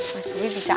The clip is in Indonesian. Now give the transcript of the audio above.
waduh ini bisa aja